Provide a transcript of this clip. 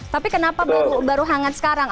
tapi kenapa baru hangat sekarang